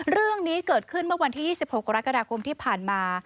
เรื่องนี้เกิดขึ้นเมื่อวันที่๒๖กรกฎาคมที่ผ่านมา